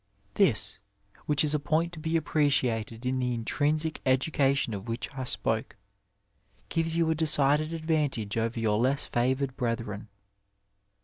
This, which is a point to be appreciated in the intrinsic education of which I spoke, gives you a decided advantage over your less favoured brethren.